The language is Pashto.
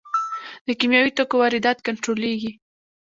د کیمیاوي توکو واردات کنټرولیږي؟